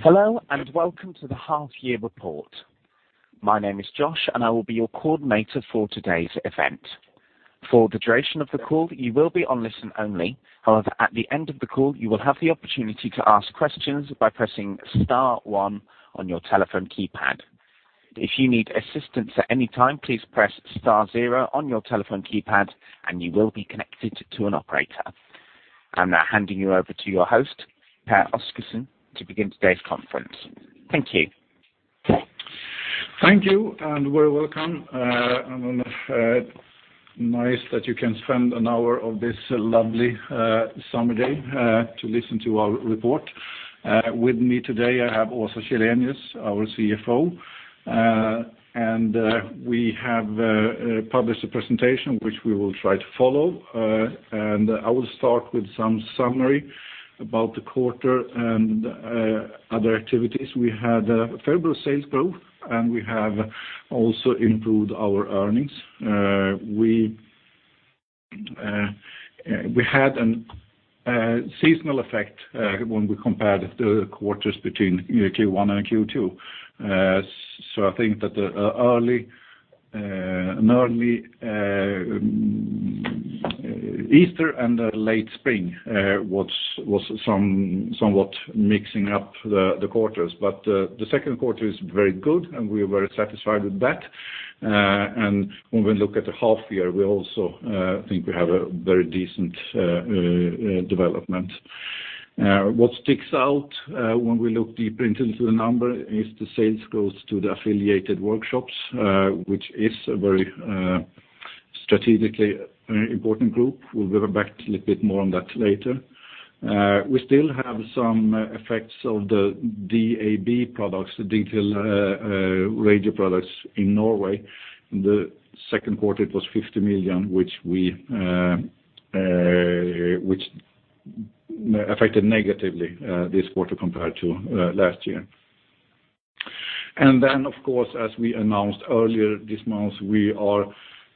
Hello. Welcome to the half-year report. My name is Josh. I will be your coordinator for today's event. For the duration of the call, you will be on listen only. At the end of the call, you will have the opportunity to ask questions by pressing star one on your telephone keypad. If you need assistance at any time, please press star zero on your telephone keypad, you will be connected to an operator. I am now handing you over to your host, Pehr Oscarson, to begin today's conference. Thank you. Thank you. Very welcome. Nice that you can spend an hour of this lovely summer day to listen to our report. With me today I have Åsa Källenius, our CFO. We have published a presentation which we will try to follow. I will start with some summary about the quarter and other activities. We had a favorable sales growth, we have also improved our earnings. We had a seasonal effect when we compared the quarters between Q1 and Q2. I think that an early Easter and a late spring was somewhat mixing up the quarters. The second quarter is very good, we are very satisfied with that. When we look at the half year, we also think we have a very decent development. What sticks out when we look deeper into the number is the sales growth to the affiliated workshops, which is a very strategically important group. We will go back a little bit more on that later. We still have some effects of the DAB products, the digital radio products in Norway. The second quarter, it was 50 million, which affected negatively this quarter compared to last year. Of course, as we announced earlier this month, we are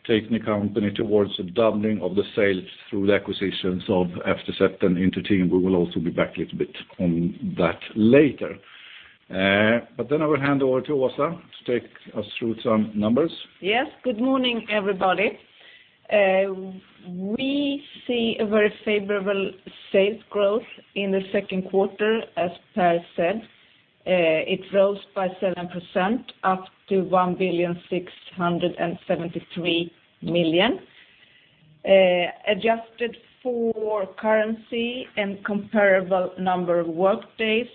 taking the company towards the doubling of the sales through the acquisitions of FTZ and Inter-Team. We will also be back a little bit on that later. I will hand over to Åsa to take us through some numbers. Yes. Good morning, everybody. We see a very favorable sales growth in the second quarter, as Pehr said. It rose by 7%, up to 1,673,000,000. Adjusted for currency and comparable number of workdays,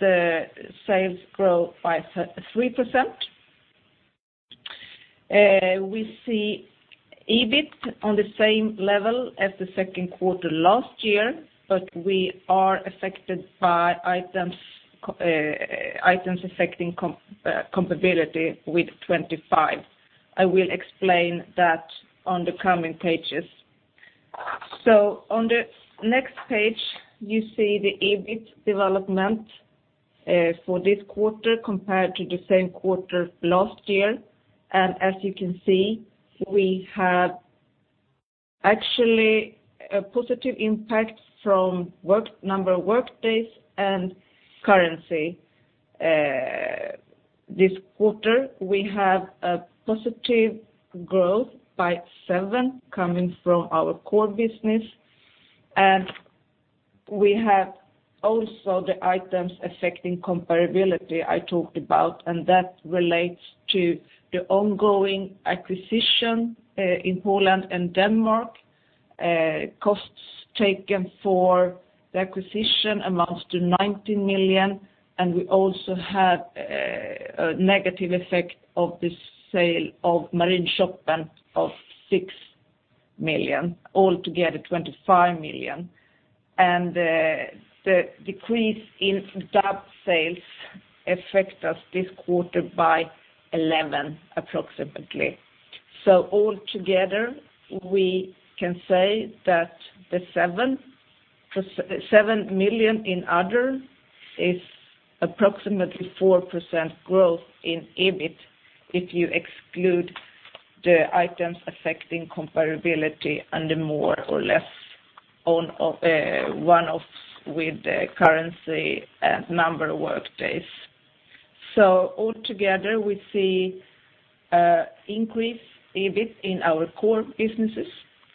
the sales grow by 3%. We see EBIT on the same level as the second quarter last year, we are affected by items affecting comparability with 25 million. I will explain that on the coming pages. On the next page, you see the EBIT development, for this quarter compared to the same quarter last year. As you can see, we have actually a positive impact from number of workdays and currency. This quarter, we have a positive growth by 7% coming from our core business, we have also the items affecting comparability I talked about, that relates to the ongoing acquisition in Poland and Denmark. Costs taken for the acquisition amounts to 19 million, we also had a negative effect of the sale of Marinshopen of 6 million. Altogether, 25 million. The decrease in DAB sales affect us this quarter by 11 million, approximately. Altogether, we can say that the 7 million in other is approximately 4% growth in EBIT if you exclude the items affecting comparability and the more or less one-offs with the currency and number of workdays. Altogether, we see increased EBIT in our core businesses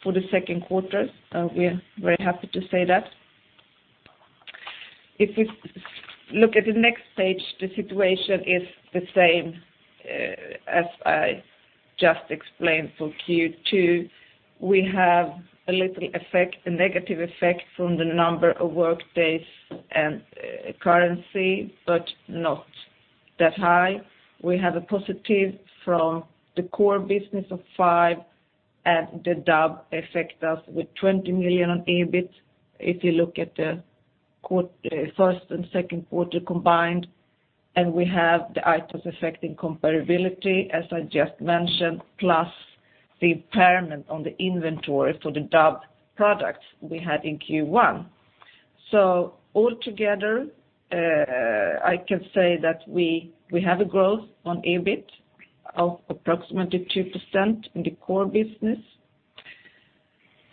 for the second quarter. We are very happy to say that. If you look at the next page, the situation is the same as I just explained for Q2. We have a little effect, a negative effect from the number of workdays and currency, but not that high. We have a positive from the core business of 5 million, the DAB affect us with 20 million on EBIT if you look at the first and second quarter combined, we have the items affecting comparability as I just mentioned, plus the impairment on the inventory for the DAB products we had in Q1. Altogether, I can say that we have a growth on EBIT of approximately 2% in the core business.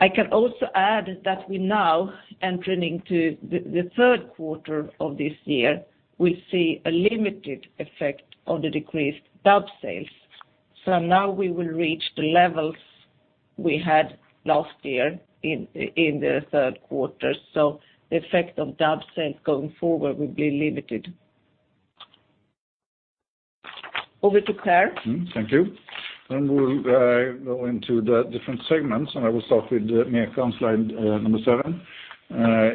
I can also add that we are now entering the third quarter of this year, we see a limited effect on the decreased DAB sales. Now we will reach the levels we had last year in the third quarter. The effect of DAB sales going forward will be limited. Over to Pehr. Thank you. We'll go into the different segments, I will start with MECA on slide number seven.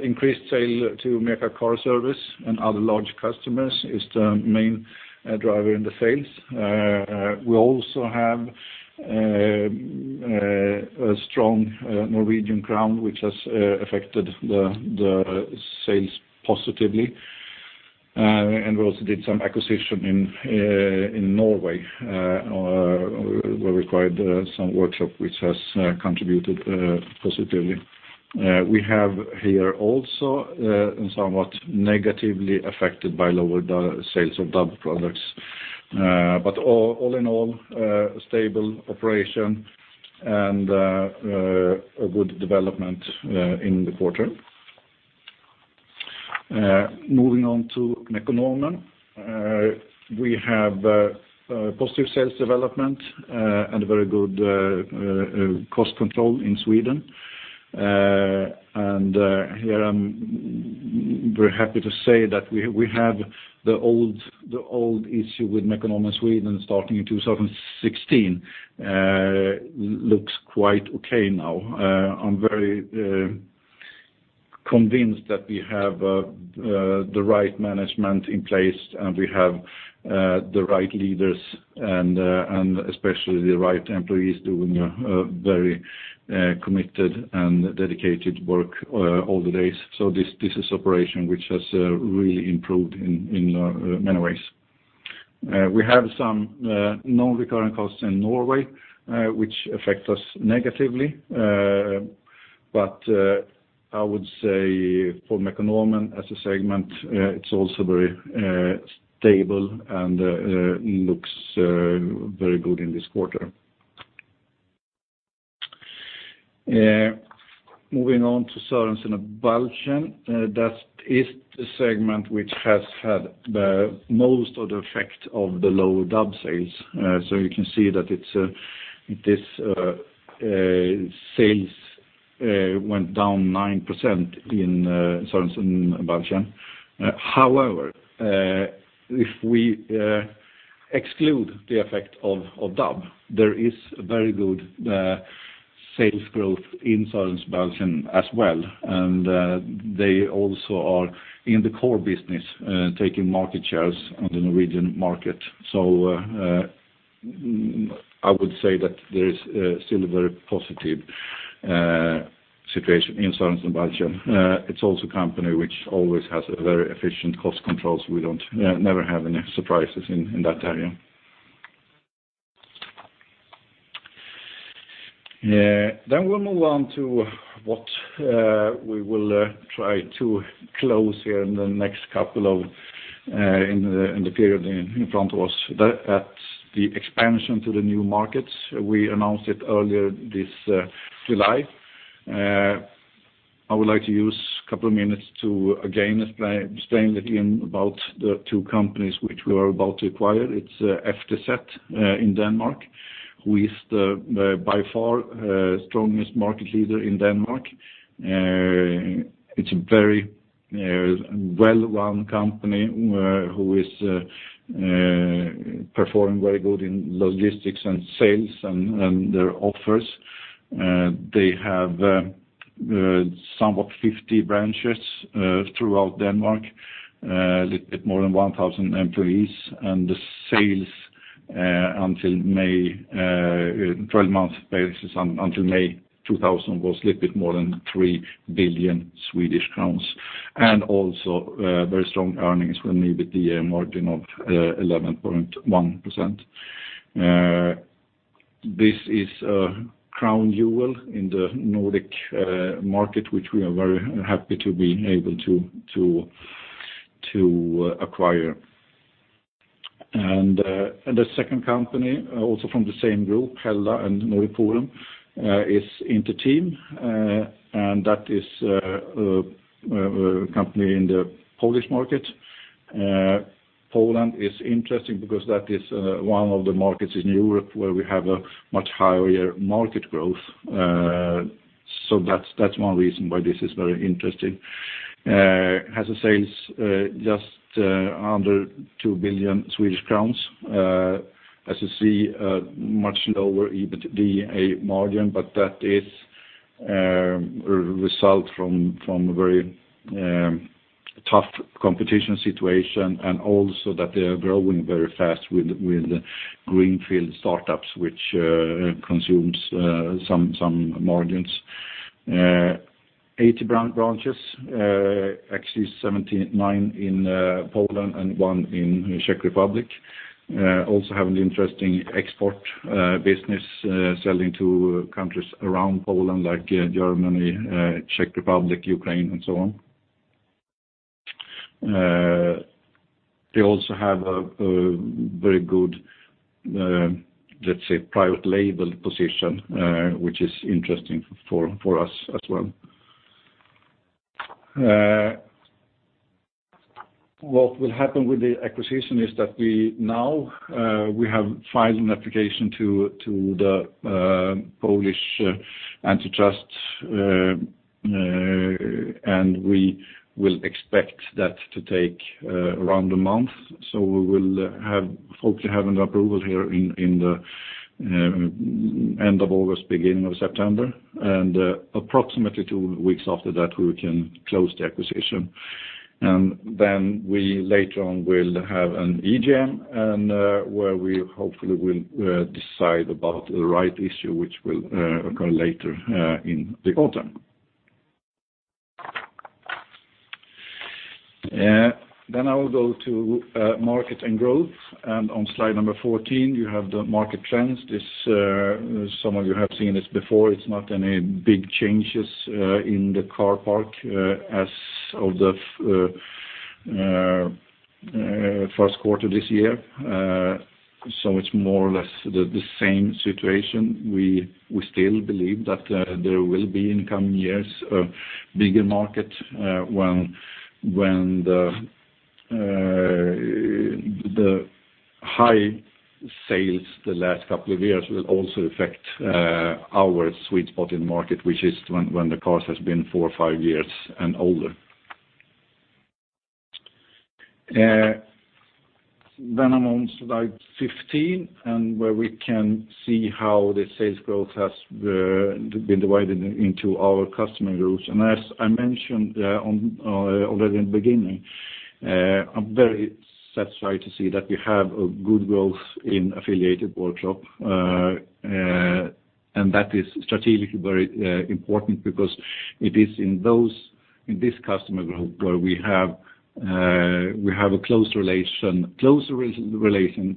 Increased sale to MECA Car Service and other large customers is the main driver in the sales. We also have a strong Norwegian crown, which has affected the sales positively. We also did some acquisition in Norway where we acquired some workshop which has contributed positively. We have here also somewhat negatively affected by lower sales of DAB products. All in all, stable operation and a good development in the quarter. Moving on to Mekonomen. We have positive sales development and very good cost control in Sweden. Here I'm very happy to say that we have the old issue with Mekonomen Sweden starting in 2016 looks quite okay now. I'm very convinced that we have the right management in place, we have the right leaders and especially the right employees doing a very committed and dedicated work all the days. This is operation which has really improved in many ways. We have some non-recurrent costs in Norway which affect us negatively. I would say for Mekonomen as a segment, it's also very stable and looks very good in this quarter. Moving on to Sørensen og Balchen. That is the segment which has had the most of the effect of the low DAB sales. You can see that its sales went down 9% in Sørensen og Balchen. However, if we exclude the effect of DAB, there is very good sales growth in Sørensen og Balchen as well, they also are in the core business taking market shares on the Norwegian market. So I would say that there is still a very positive situation in Sørensen og Balchen. It's also a company which always has a very efficient cost control, so we never have any surprises in that area. We'll move on to what we will try to close here in the period in front of us. That's the expansion to the new markets. We announced it earlier this July. I would like to use a couple of minutes to again explain again about the two companies which we are about to acquire. It's FTZ in Denmark, which is the by far strongest market leader in Denmark. It's a very well-run company which is performing very good in logistics and sales and their offers. They have somewhat 50 branches throughout Denmark, a little bit more than 1,000 employees, and the sales on 12 months basis until May 2000 was a little bit more than 3 billion Swedish crowns. And also very strong earnings with an EBITDA margin of 11.1%. This is a crown jewel in the Nordic market, which we are very happy to be able to acquire. And the second company, also from the same group, HELLA and Nordic Forum is Inter-Team, and that is a company in the Polish market. Poland is interesting because that is one of the markets in Europe where we have a much higher market growth. So that's one reason why this is very interesting. Has a sales just under 2 billion Swedish crowns. As you see, a much lower EBITDA margin, but that is a result from a very tough competition situation and also that they are growing very fast with greenfield startups which consumes some margins. 80 branches, actually 79 in Poland and one in Czech Republic. Also have an interesting export business selling to countries around Poland, like Germany, Czech Republic, Ukraine, and so on. They also have a very good, let's say, private label position, which is interesting for us as well. What will happen with the acquisition is that we now have filed an application to the Polish antitrust, and we will expect that to take around a month. So we will hopefully have an approval here in the end of August, beginning of September. And approximately two weeks after that, we can close the acquisition. And then we later on will have an AGM where we hopefully will decide about the rights issue, which will occur later in the autumn. I will go to market and growth. And on slide number 14, you have the market trends. Some of you have seen this before. It's not any big changes in the car park as of the first quarter this year. So it's more or less the same situation. We still believe that there will be, in coming years, a bigger market when the high sales the last couple of years will also affect our sweet spot in market, which is when the cars has been four or five years and older. I'm on slide 15 and where we can see how the sales growth has been divided into our customer groups. As I mentioned already in the beginning, I'm very satisfied to see that we have a good growth in affiliated workshop. That is strategically very important because it is in this customer group where we have a closer relation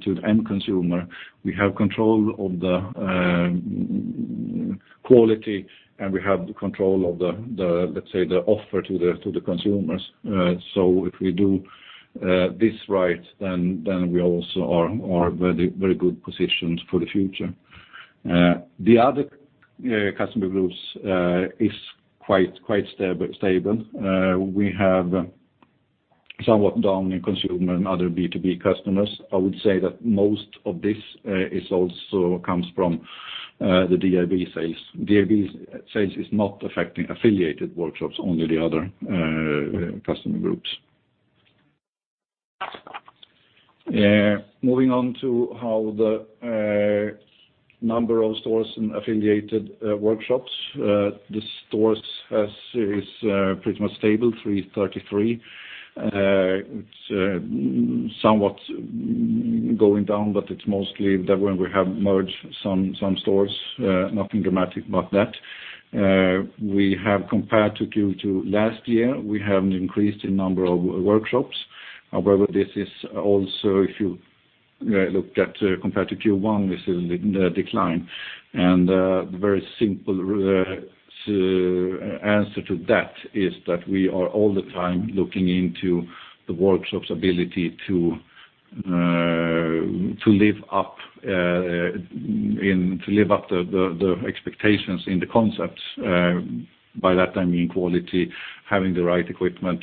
to the end consumer. We have control of the quality, and we have the control of the, let's say, the offer to the consumers. If we do this right, then we also are very good positioned for the future. The other customer groups is quite stable. We have somewhat down in consumer and other B2B customers. I would say that most of this also comes from the DAB sales. DAB sales is not affecting affiliated workshops, only the other customer groups. Moving on to how the number of stores and affiliated workshops. The stores is pretty much stable, 333. It's somewhat going down, but it's mostly that when we have merged some stores, nothing dramatic about that. Compared to Q2 last year, we have increased the number of workshops. However, this is also, if you look at compared to Q1, this is a decline. The very simple answer to that is that we are all the time looking into the workshop's ability to live up the expectations in the concepts. By that, I mean quality, having the right equipment,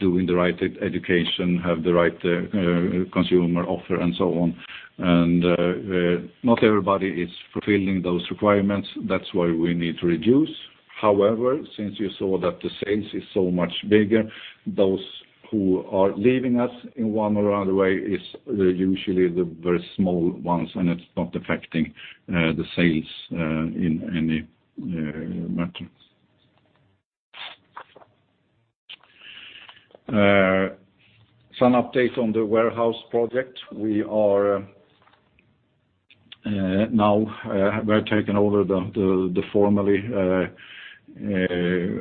doing the right education, have the right consumer offer, and so on. Not everybody is fulfilling those requirements. That's why we need to reduce. However, since you saw that the sales is so much bigger, those who are leaving us in one or another way is usually the very small ones, and it's not affecting the sales in any matter. Some update on the warehouse project. We are now have taken over the formally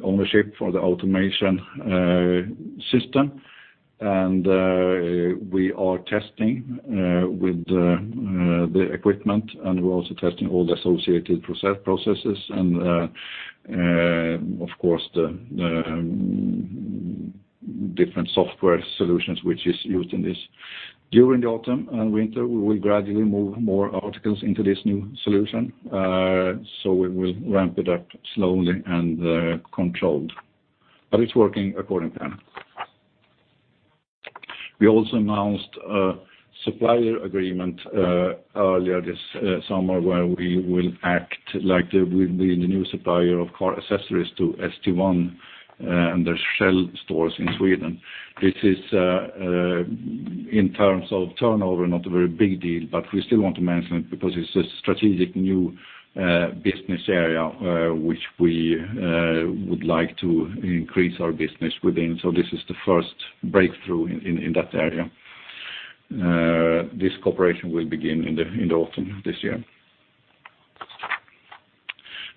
ownership for the automation system, and we are testing with the equipment, and we're also testing all the associated processes and, of course, the different software solutions which is used in this. During the autumn and winter, we will gradually move more articles into this new solution. We will ramp it up slowly and controlled, but it's working according to plan. We also announced a supplier agreement earlier this summer where we will act like we will be the new supplier of car accessories to St1 and their Shell stores in Sweden. This is, in terms of turnover, not a very big deal, but we still want to mention it because it's a strategic new business area which we would like to increase our business within. This is the first breakthrough in that area. This cooperation will begin in the autumn this year.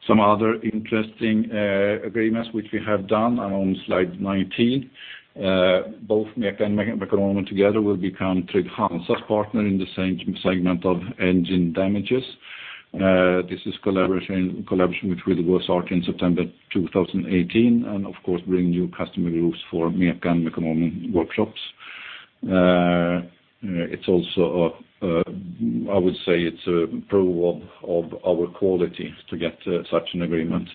Some other interesting agreements which we have done are on slide 19. Both MECA and Mekonomen together will become Trygg-Hansa's partner in the segment of engine damages. This is collaboration which will start in September 2018, and of course bring new customer groups for MECA and Mekonomen workshops. I would say it's a proof of our quality to get such an agreement.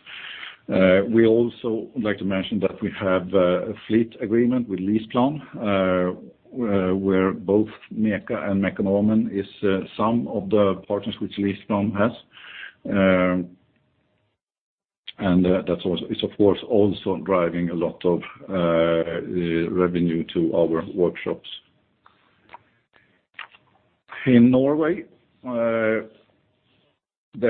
We also like to mention that we have a fleet agreement with LeasePlan, where both MECA and Mekonomen is some of the partners which LeasePlan has. That's also, it's of course also driving a lot of revenue to our workshops. In Norway, there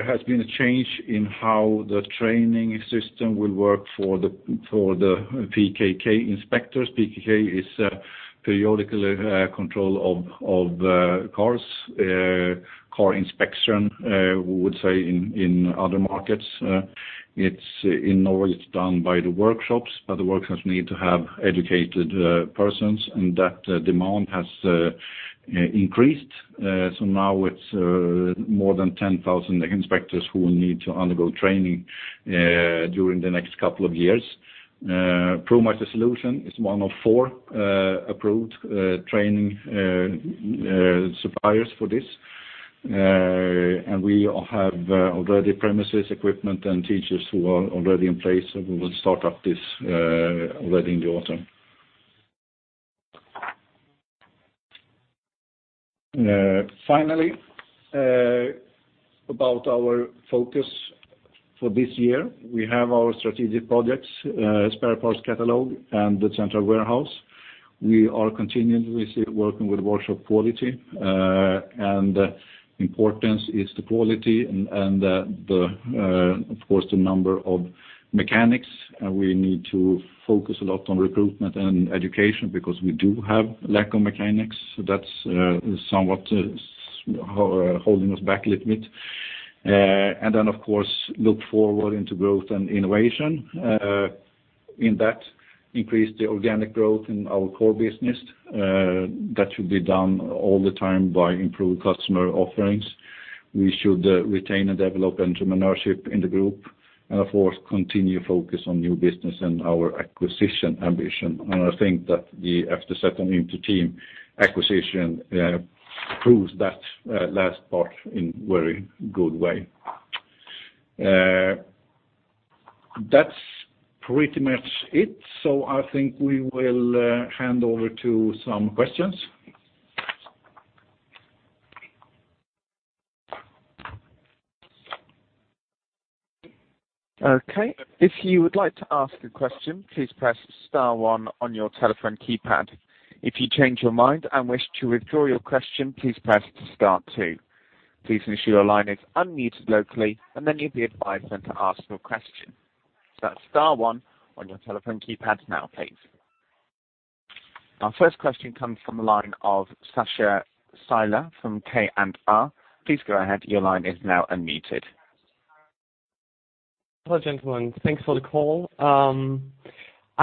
has been a change in how the training system will work for the PKK inspectors. PKK is a periodical control of cars, car inspection, we would say, in other markets. In Norway, it is done by the workshops, but the workshops need to have educated persons, and that demand has increased. So now it is more than 10,000 inspectors who will need to undergo training during the next couple of years. ProMeister Solutions is one of 4 approved training suppliers for this. We have already premises, equipment, and teachers who are already in place, and we will start up this already in the autumn. Finally, about our focus for this year. We have our strategic projects, spare parts catalog, and the central warehouse. We are continuously working with workshop quality. Importance is the quality and of course, the number of mechanics. We need to focus a lot on recruitment and education because we do have lack of mechanics. That is somewhat holding us back a little bit. Then of course, look forward into growth and innovation. In that, increase the organic growth in our core business. That should be done all the time by improved customer offerings. We should retain and develop entrepreneurship in the group. Of course, continue focus on new business and our acquisition ambition. I think that the, after settling into Inter-Team acquisition proves that last part in very good way. That is pretty much it. I think we will hand over to some questions. Okay. If you would like to ask a question, please press star 1 on your telephone keypad. If you change your mind and wish to withdraw your question, please press star 2. Please ensure your line is unmuted locally, then you will be advised when to ask your question. That is star 1 on your telephone keypad now, please. Our first question comes from the line of Sacha Sæther from K&R. Please go ahead. Your line is now unmuted. Hello, gentlemen. Thanks for the call. I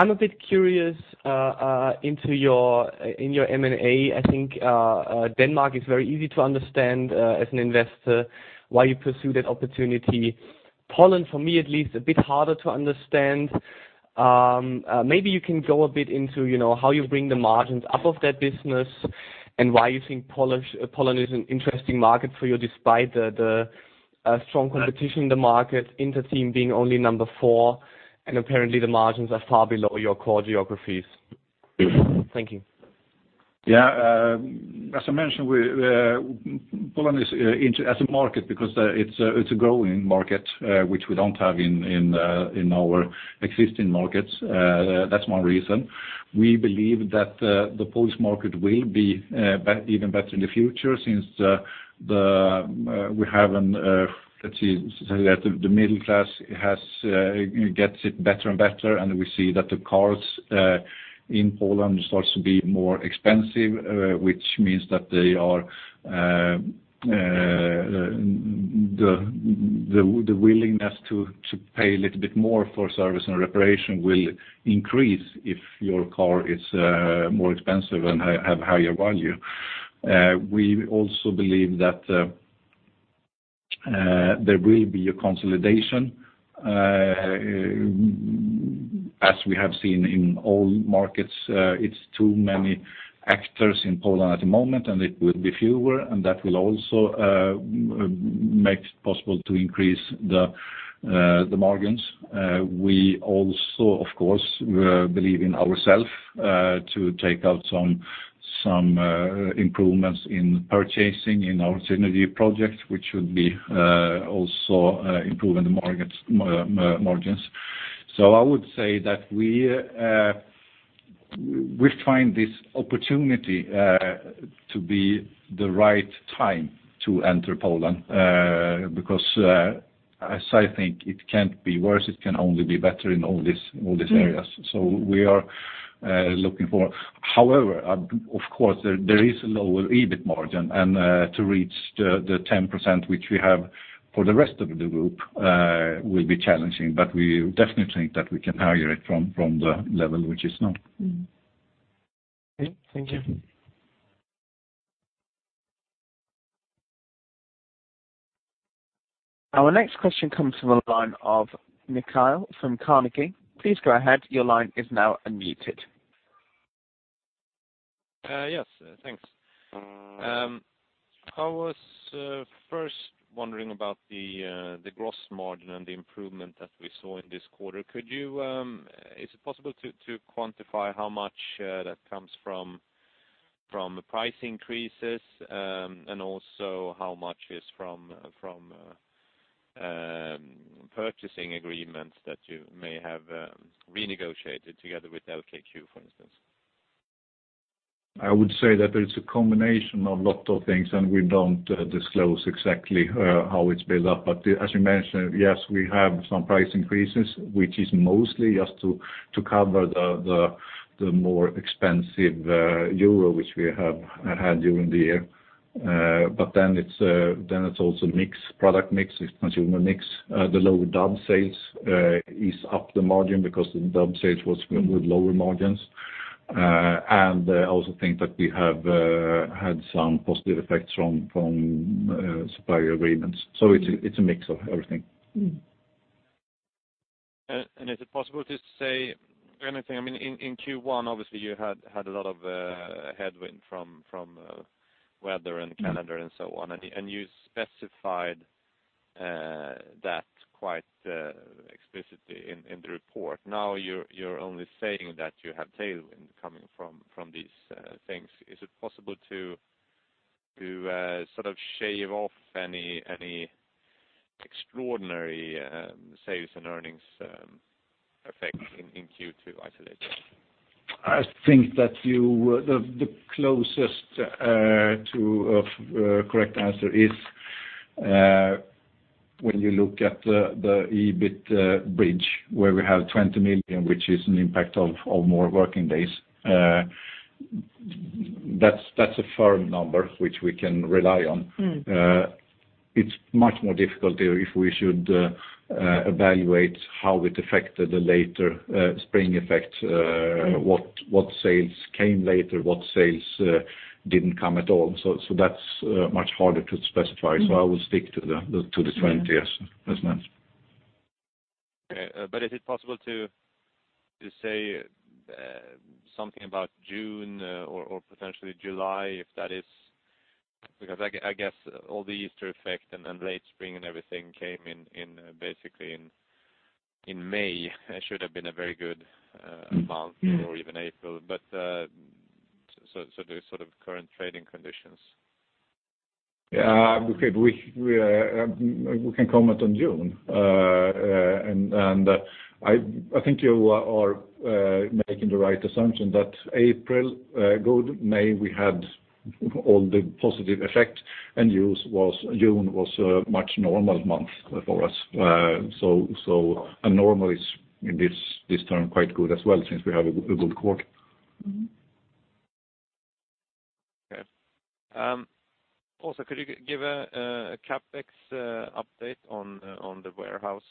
am a bit curious in your M&A. I think Denmark is very easy to understand as an investor why you pursue that opportunity. Poland, for me at least, a bit harder to understand. Maybe you can go a bit into how you bring the margins up of that business and why you think Poland is an interesting market for you despite the strong competition in the market, Inter-Team being only number 4, and apparently the margins are far below your core geographies. Thank you. Yeah. As I mentioned, Poland as a market because it's a growing market which we don't have in our existing markets. That's one reason. We believe that the Polish market will be even better in the future since the middle class gets it better and better, and we see that the cars in Poland starts to be more expensive, which means that the willingness to pay a little bit more for service and reparation will increase if your car is more expensive and have higher value. We also believe that there will be a consolidation as we have seen in all markets. It's too many actors in Poland at the moment, and it will be fewer, and that will also make it possible to increase the margins. We also, of course, believe in ourself to take out some improvements in purchasing in our synergy project, which should be also improving the margins. I would say that we find this opportunity to be the right time to enter Poland because as I think it can't be worse, it can only be better in all these areas. Of course, there is a lower EBIT margin, and to reach the 10% which we have for the rest of the group will be challenging, but we definitely think that we can higher it from the level which is now. Thank you. Our next question comes from the line of Mikael from Carnegie. Please go ahead. Your line is now unmuted. Yes. Thanks. I was first wondering about the gross margin and the improvement that we saw in this quarter. Is it possible to quantify how much that comes from the price increases, and also how much is from purchasing agreements that you may have renegotiated together with LKQ, for instance? I would say that it's a combination of a lot of things, we don't disclose exactly how it's built up. As you mentioned, yes, we have some price increases, which is mostly just to cover the more expensive euro, which we have had during the year. It's also product mix, it's consumer mix. The lower DAB sales ease up the margin because the DAB sales was with lower margins. I also think that we have had some positive effects from supplier agreements. It's a mix of everything. Is it possible to say anything? In Q1, obviously, you had a lot of headwind from weather and calendar and so on, and you specified that quite explicitly in the report. Now you're only saying that you have tailwind coming from these things. Is it possible to shave off any extraordinary sales and earnings effect in Q2 isolated? I think that the closest to a correct answer is, when you look at the EBIT bridge, where we have 20 million, which is an impact of more working days. That's a firm number which we can rely on. It's much more difficult if we should evaluate how it affected the later spring effect, what sales came later, what sales didn't come at all. That's much harder to specify. I will stick to the 20 as mentioned. Okay. Is it possible to say something about June or potentially July? Because I guess all the Easter effect and late spring and everything came basically in May, should have been a very good month or even April. What are the sort of current trading conditions? Okay. We can comment on June. I think you are making the right assumption that April, good, May we had all the positive effect, June was a much normal month for us. Normal is, in this term, quite good as well since we have a good quarter. Okay. Also, could you give a CapEx update on the warehouse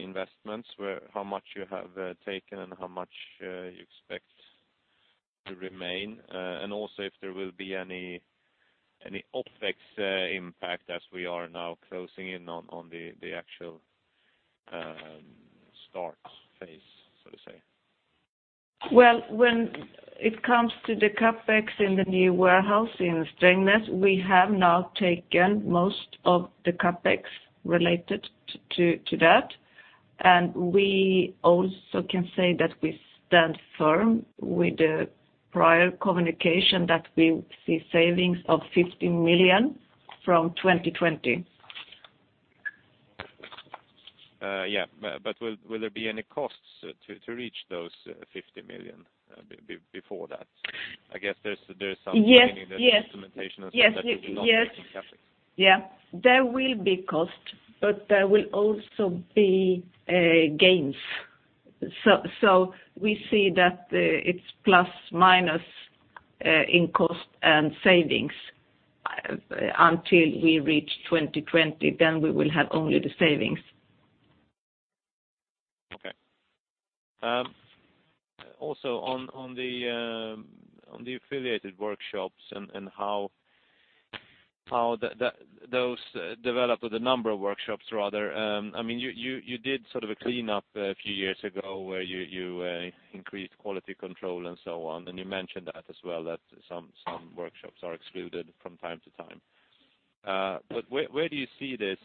investments, how much you have taken and how much you expect to remain? Also if there will be any OpEx impact as we are now closing in on the actual start phase so to say. Well, when it comes to the CapEx in the new warehouse in Strängnäs, we have now taken most of the CapEx related to that. We also can say that we stand firm with the prior communication that we see savings of 50 million from 2020. Yes. Will there be any costs to reach those 50 million before that? I guess. Yes meaning the implementation or something that will not be in CapEx. Yes. There will be cost, but there will also be gains. We see that it's plus minus in cost and savings until we reach 2020, then we will have only the savings. Okay. On the affiliated workshops and how those develop with the number of workshops, rather. You did sort of a cleanup a few years ago where you increased quality control and so on, and you mentioned that as well, that some workshops are excluded from time to time. Where do you see this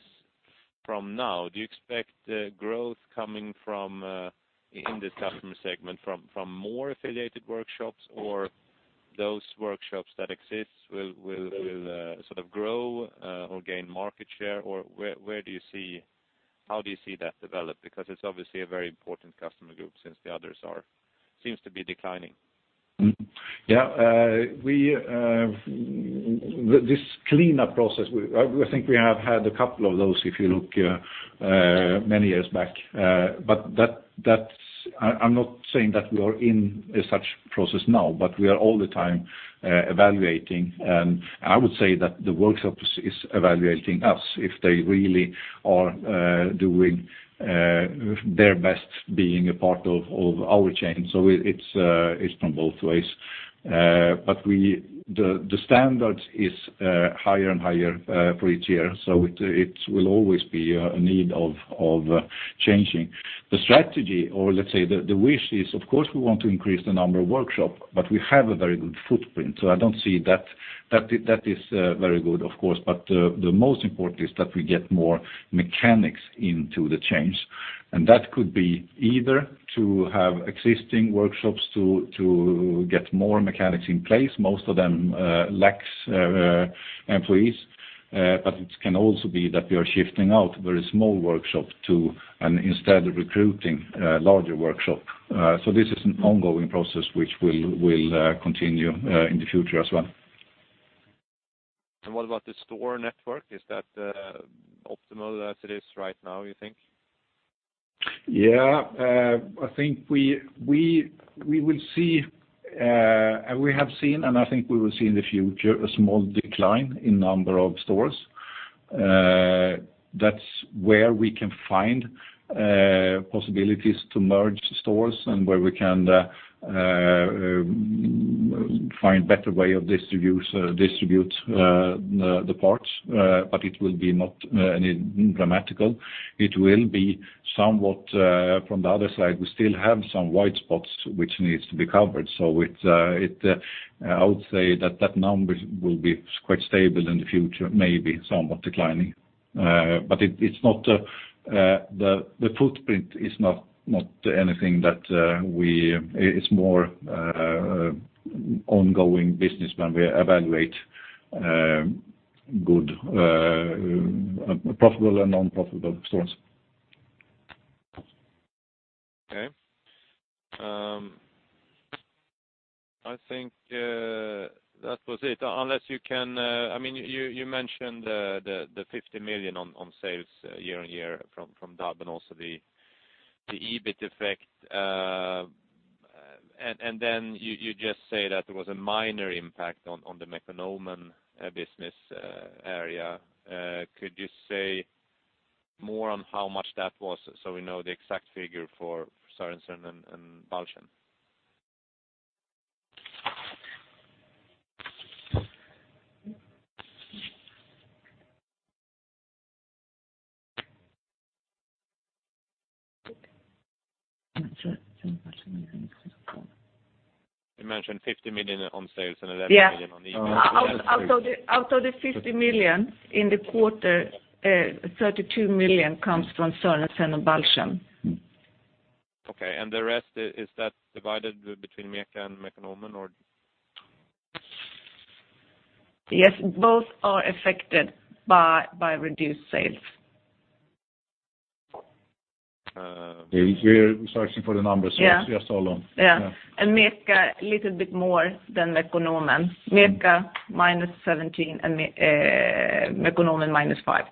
from now? Do you expect growth coming from, in this customer segment, from more affiliated workshops or those workshops that exist will sort of grow or gain market share? How do you see that develop? It's obviously a very important customer group since the others seems to be declining. This cleanup process, I think we have had a couple of those if you look many years back. I'm not saying that we are in a such process now, but we are all the time evaluating. I would say that the workshops is evaluating us if they really are doing their best being a part of our chain. It's from both ways. The standard is higher and higher for each year. It will always be a need of changing the strategy, or let's say the wish is, of course, we want to increase the number of workshop, but we have a very good footprint. I don't see that. That is very good, of course, but the most important is that we get more mechanics into the chain. That could be either to have existing workshops to get more mechanics in place. Most of them lack employees, but it can also be that we are shifting out very small workshop too, and instead recruiting larger workshop. This is an ongoing process which will continue in the future as well. What about the store network? Is that optimal as it is right now, you think? I think we will see, and we have seen, and I think we will see in the future, a small decline in number of stores. That's where we can find possibilities to merge stores and where we can find better way of distribute the parts. It will be not any dramatic. It will be somewhat from the other side. We still have some white spots which needs to be covered. I would say that number will be quite stable in the future, maybe somewhat declining. The footprint is not anything. It's more ongoing business when we evaluate good profitable and non-profitable stores. I think that was it. You mentioned the 50 million on sales year-over-year from DAB and also the EBIT effect. Then you just say that there was a minor impact on the Mekonomen business area. Could you say more on how much that was so we know the exact figure for Sørensen og Balchen? You mentioned 50 million on sales and 11 million on EBIT. Out of the 50 million in the quarter, 32 million comes from Sørensen og Balchen. Okay. The rest, is that divided between MECA and Mekonomen or? Yes, both are affected by reduced sales. We're searching for the numbers, so just hold on. Yeah. MECA a little bit more than Mekonomen. MECA minus 17% and Mekonomen minus 5%.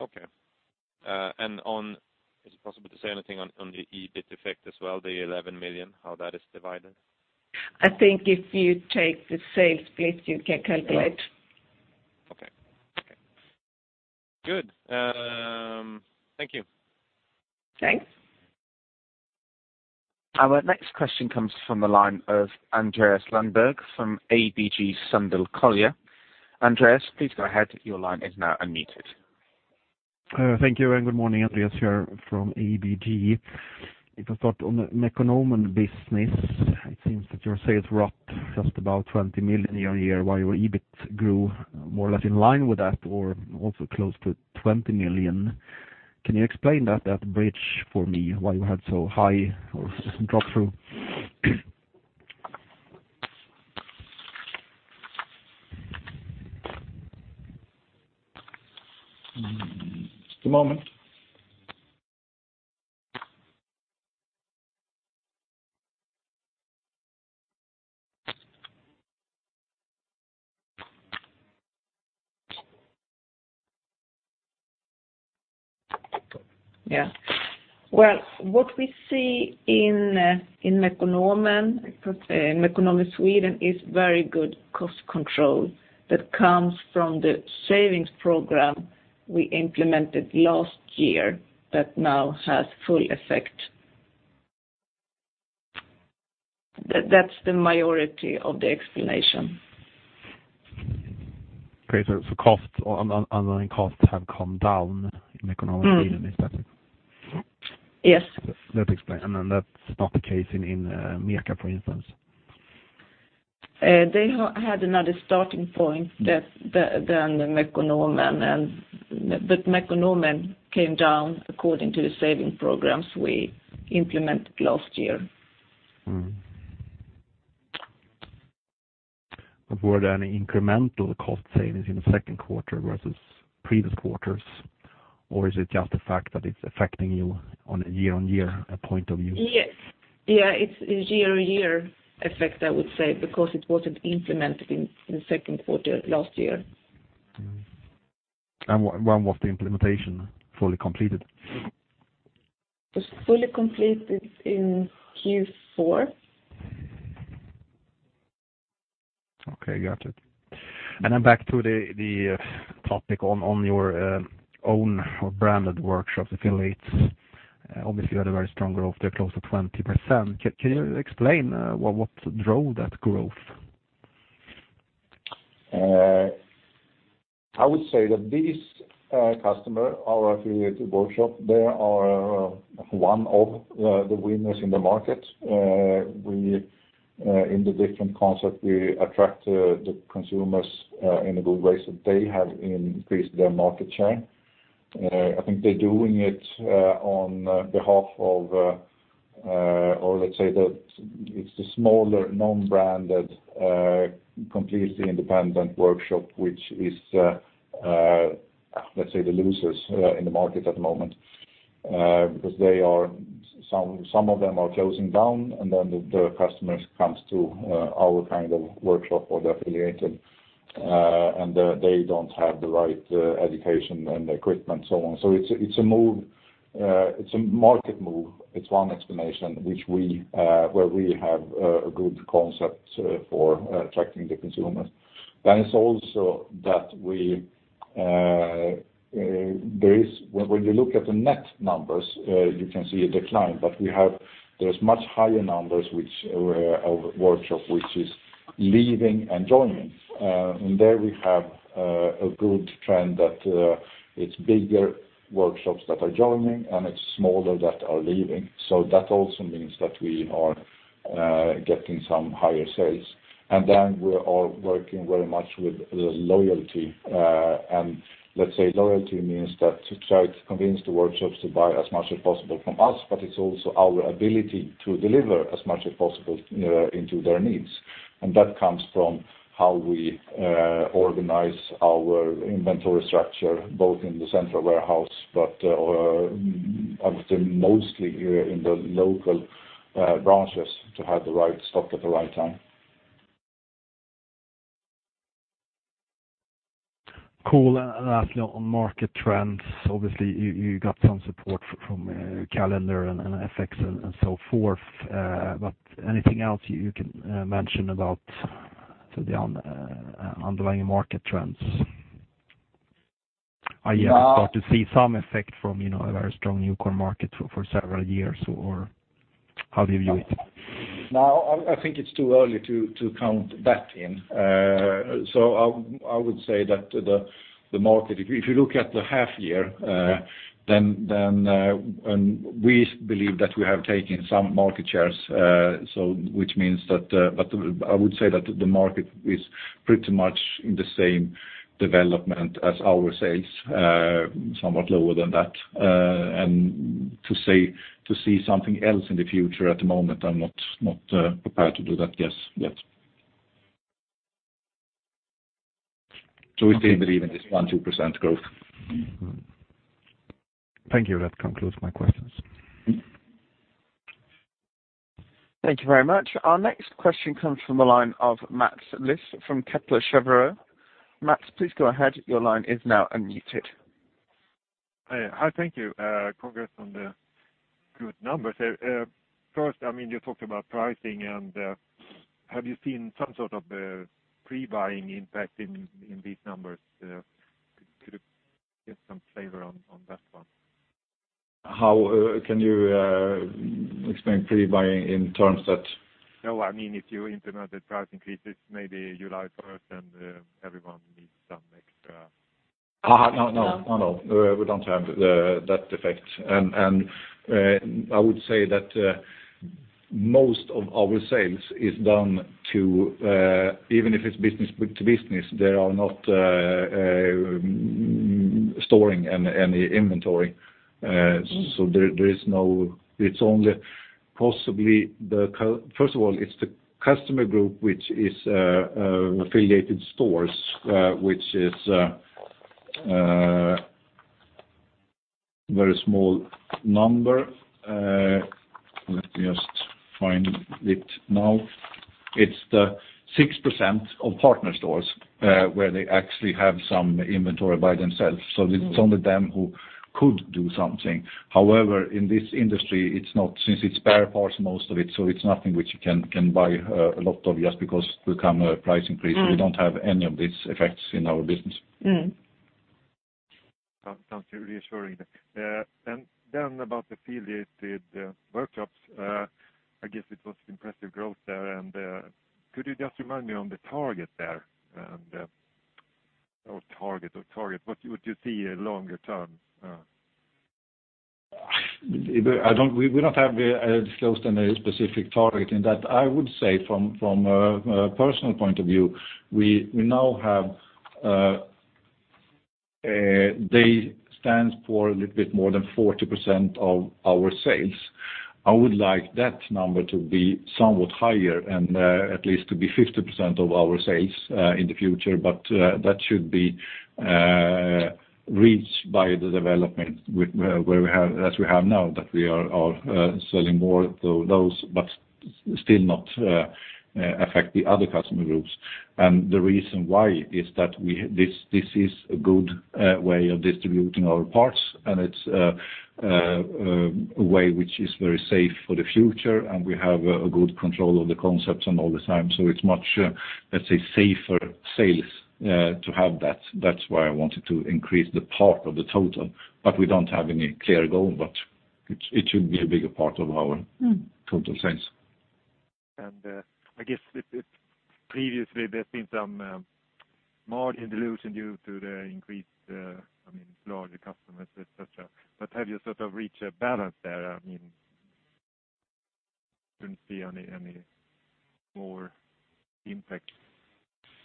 Okay. Is it possible to say anything on the EBIT effect as well? The 11 million, how that is divided? I think if you take the sales split, you can calculate. Okay. Good. Thank you. Thanks. Our next question comes from the line of Andreas Lundberg from ABG Sundal Collier. Andreas, please go ahead. Your line is now unmuted. Thank you. Good morning. Andreas here from ABG. If I start on the Mekonomen business, it seems that your sales were up just about 20 million year-on-year, while your EBIT grew more or less in line with that or also close to 20 million. Can you explain that bridge for me? Why you had so high or drop through? Just a moment. Yeah. Well, what we see in Mekonomen Sweden is very good cost control that comes from the savings program we implemented last year that now has full effect. That's the majority of the explanation. Okay. Underlying costs have come down in Mekonomen Sweden, is that it? Yes. That's not the case in MECA, for instance? They had another starting point than Mekonomen, but Mekonomen came down according to the saving programs we implemented last year. Were there any incremental cost savings in the second quarter versus previous quarters? Is it just the fact that it's affecting you on a year-on-year point of view? Yes. It's year-on-year effect, I would say, because it wasn't implemented in second quarter last year. When was the implementation fully completed? It was fully completed in Q4. Okay, got it. Back to the topic on your own branded workshops affiliates. Obviously, you had a very strong growth there, close to 20%. Can you explain what drove that growth? I would say that these customers, our affiliate workshop, they are one of the winners in the market. In the different concept, we attract the consumers in a good way, so they have increased their market share. I think they're doing it on behalf of or let's say that it's the smaller non-branded, completely independent workshop, which is, let's say, the losers in the market at the moment because some of them are closing down, and then the customers come to our workshop or the affiliated, and they don't have the right education and equipment, so on. It's a market move. It's one explanation where we have a good concept for attracting the consumers. It's also that when you look at the net numbers, you can see a decline, but there's much higher numbers of workshop which is leaving and joining. There we have a good trend that it's bigger workshops that are joining and it's smaller that are leaving. That also means that we are getting some higher sales. We are working very much with the loyalty. Let's say loyalty means that to try to convince the workshops to buy as much as possible from us, but it's also our ability to deliver as much as possible into their needs. That comes from how we organize our inventory structure, both in the central warehouse, but I would say mostly here in the local branches to have the right stock at the right time. Cool. Lastly, on market trends, obviously, you got some support from calendar and effects and so forth. Anything else you can mention about the underlying market trends? Are you starting to see some effect from a very strong new car market for several years? Or how do you view it? No, I think it's too early to count that in. I would say that if you look at the half year, then we believe that we have taken some market shares, which means that I would say that the market is pretty much in the same development as our sales, somewhat lower than that. To see something else in the future at the moment, I'm not prepared to do that guess yet. We still believe in this 1%-2% growth. Thank you. That concludes my questions. Thank you very much. Our next question comes from the line of Mats Liss from Kepler Cheuvreux. Mats, please go ahead. Your line is now unmuted. Hi. Thank you. Congrats on the good numbers. First, you talked about pricing, have you seen some sort of pre-buying impact in these numbers? Could we get some flavor on that one? How can you explain pre-buying in terms that- If you implement the price increases, maybe you buy first and everyone needs some extra. We don't have that effect. I would say that most of our sales is done to even if it's business to business, they are not storing any inventory. First of all, it's the customer group which is affiliated stores, which is a very small number. Let me just find it now. It's the 6% of partner stores where they actually have some inventory by themselves. It's only them who could do something. However, in this industry, since it's spare parts most of it, so it's nothing which you can buy a lot of just because there come a price increase. We don't have any of these effects in our business. Sounds reassuring. Then about the affiliated workshops, I guess it was impressive growth there, and could you just remind me on the target there? Target, what you see longer term? We don't have a disclosed and a specific target in that. I would say from a personal point of view, they stand for a little bit more than 40% of our sales. I would like that number to be somewhat higher and at least to be 50% of our sales in the future, but that should be reached by the development as we have now that we are selling more to those, but still not affect the other customer groups. The reason why is that this is a good way of distributing our parts and it's a way which is very safe for the future, and we have a good control of the concepts and all the time. It's much, let's say, safer sales to have that. That's why I wanted to increase the part of the total. We don't have any clear goal, but it should be a bigger part of our total sales. I guess previously there's been some margin dilution due to the increased larger customers, et cetera. Have you sort of reached a balance there? I mean, shouldn't be any more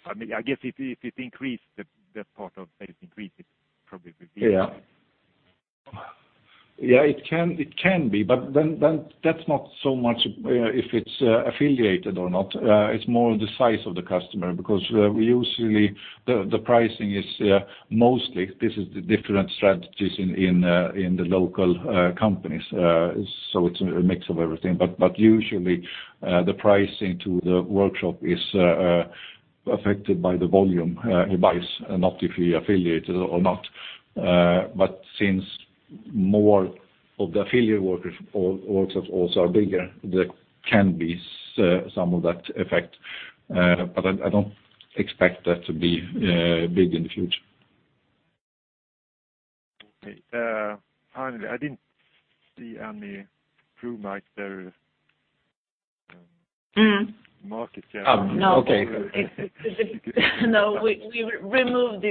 impact. I guess if it increased, that part of sales increase, it probably will be. It can be, that's not so much if it's affiliated or not. It's more the size of the customer, because usually the pricing is mostly, this is the different strategies in the local companies, so it's a mix of everything. Usually, the pricing to the workshop is affected by the volume he buys and not if he affiliated or not. Since more of the affiliate workshops also are bigger, there can be some of that effect. I don't expect that to be big in the future. Finally, I didn't see any improvement there. Market share. Okay. We removed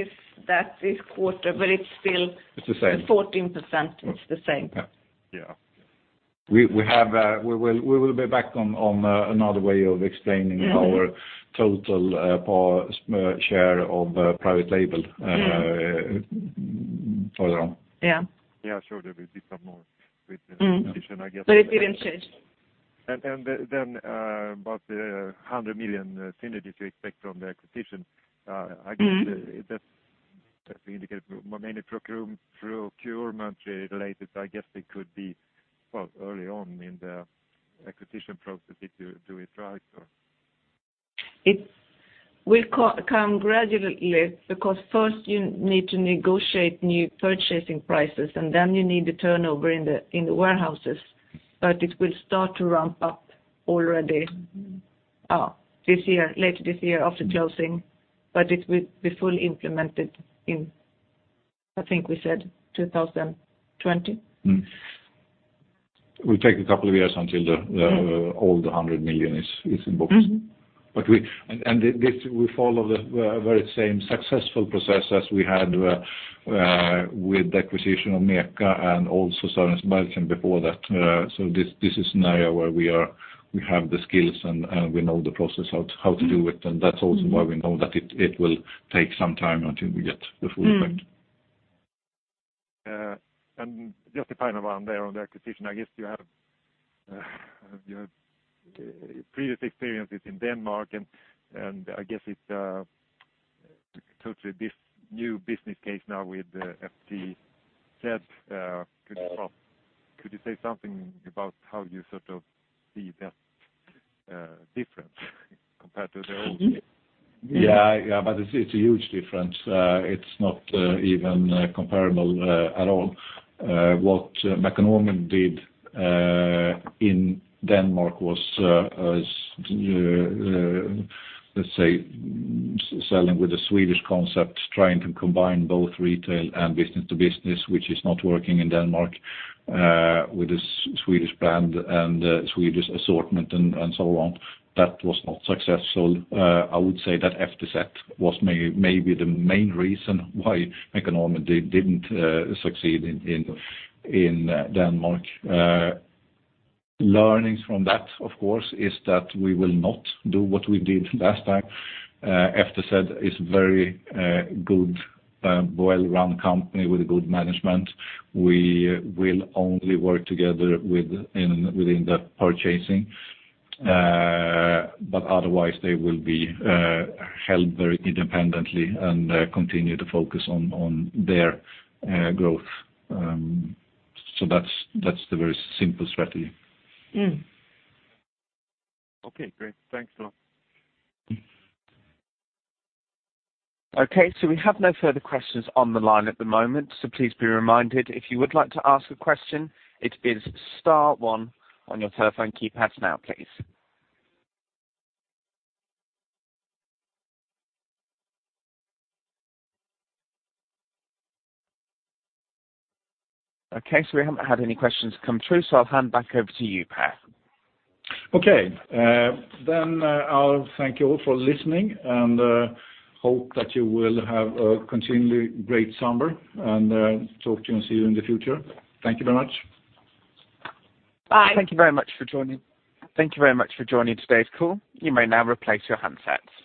that this quarter, but it's still. It's the same. 14%. It's the same. Yeah. We will be back on another way of explaining our total share of private label further on. Yeah. Yeah, sure. There will be some more with the acquisition, I guess. It didn't change. About the 100 million synergies you expect from the acquisition, I guess that's being indicated mainly procurement related, so I guess it could be early on in the acquisition process if do it right. It will come gradually because first you need to negotiate new purchasing prices, and then you need the turnover in the warehouses. It will start to ramp up already this year, later this year after closing, but it will be fully implemented in, I think we said 2020. It will take a couple of years until all the 100 million is in books. We follow the very same successful process as we had with the acquisition of MECA and also Sørensen og Balchen before that. This is an area where we have the skills and we know the process how to do it. That's also why we know that it will take some time until we get the full effect. Just a final one there on the acquisition, I guess you have your previous experiences in Denmark. I guess it's a totally new business case now with FTZ. Could you say something about how you sort of see that difference compared to the old? It's a huge difference. It's not even comparable at all. What Mekonomen did in Denmark was, let's say, selling with a Swedish concept, trying to combine both retail and business to business, which is not working in Denmark, with a Swedish brand and a Swedish assortment and so on. That was not successful. I would say that FTZ was maybe the main reason why Mekonomen didn't succeed in Denmark. Learnings from that, of course, is that we will not do what we did last time. FTZ is very good, well-run company with good management. We will only work together within the purchasing. Otherwise, they will be held very independently and continue to focus on their growth. That's the very simple strategy. Great. Thanks a lot. We have no further questions on the line at the moment, please be reminded, if you would like to ask a question, it is star one on your telephone keypads now, please. We haven't had any questions come through, I'll hand back over to you, Pehr. I'll thank you all for listening and hope that you will have a continually great summer and talk to you and see you in the future. Thank you very much. Bye. Thank you very much for joining today's call. You may now replace your handsets.